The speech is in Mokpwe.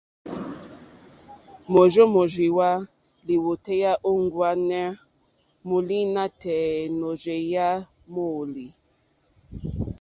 Môrzô mórzìwà lìwòtéyá ô ŋwáɲá mòòlî nátɛ̀ɛ̀ nôrzéyá mòòlí.